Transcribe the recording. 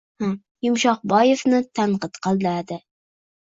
Yumshoqboevni tanqid qiladi